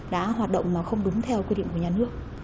đã hoạt động mà không đúng theo quy định của nhà nước